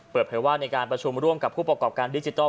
เปิดเผยว่าในการประชุมร่วมกับผู้ประกอบการดิจิทัล